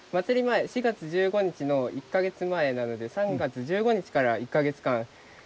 前４月１５日の１か月前なので３月１５日から１か月間練習します。